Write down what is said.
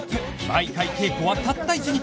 毎回稽古はたった１日